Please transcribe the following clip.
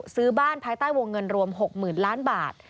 ซื้อบ้านภายใต้วงเงินรวม๖๐๐๐ล้านบาท